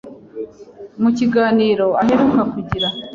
Mu kiganiro aheruka kugira,